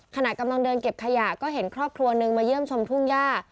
ขณะกำลังเดินเก็บขยะก็เห็นครอบครัวนึงมาเยี่ยมชมทุ่งย่า